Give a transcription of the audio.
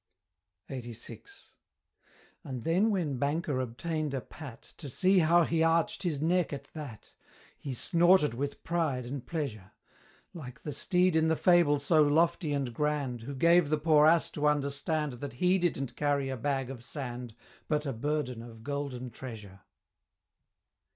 LXXXVI. And then when Banker obtain'd a pat, To see how he arch'd his neck at that! He snorted with pride and pleasure! Like the Steed in the fable so lofty and grand, Who gave the poor Ass to understand That he didn't carry a bag of sand, But a burden of golden treasure.